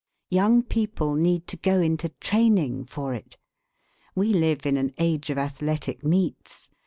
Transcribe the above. Young people need to go into training for it. We live in an age of athletic meets.